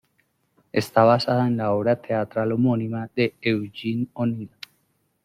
Está basada en la obra teatral homónima de Eugene O'Neill.